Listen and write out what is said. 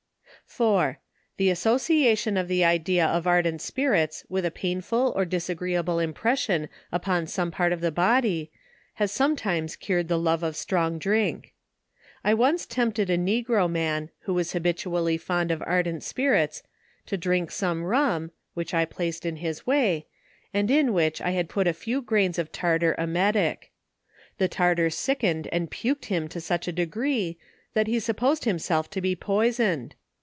4> The association of the idea of ardent spirits, with a painful or disagreeable impression upon some part of the body, has sometimes cured the love of strong drink. I once tempted a negro man, who was habitually fond of ardent spirits, to drink some rum, (which I had placed in his way) and iu which I had put a few grains of ARDENT SPIBITS. %7 tartar emetic. The tartar sickened and puked him to such a degree, that he supposed himself to be poisoned.